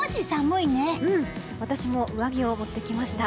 私も上着を持ってきました。